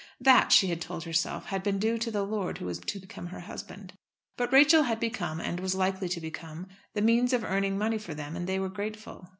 That, she had told herself, had been due to the lord who was to become her husband. But Rachel had become, and was likely to become, the means of earning money for them, and they were grateful.